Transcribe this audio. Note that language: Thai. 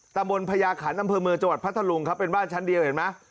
ตะบนพญาขันอำเภอเมืองจังหวัดพัทธลุงครับเป็นบ้านชั้นเดียวเห็นไหม